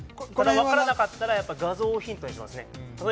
分からなかったら画像をヒントにしますね。